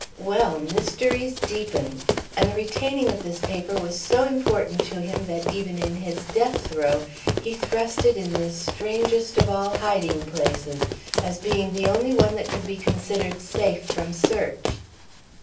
"Well, mysteries deepen. And the retaining of this paper was so important to him that even in his death throe he thrust it in this strangest of all hiding places, as being the only one that could be considered safe from search.